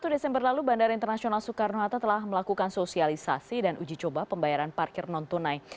satu desember lalu bandara internasional soekarno hatta telah melakukan sosialisasi dan uji coba pembayaran parkir non tunai